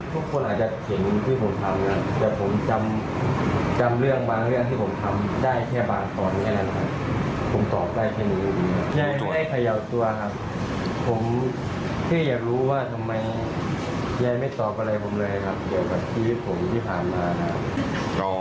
ยายไม่ตอบอะไรผมเลยครับเดี๋ยวกับทีที่ผมที่ผ่านมานะครับ